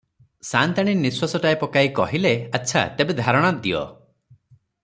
ସା’ନ୍ତାଣୀ ନିଶ୍ଵାସଟାଏ ପକାଇ କହିଲେ – ଆଚ୍ଛା, ତେବେ ଧାରଣା ଦିଅ ।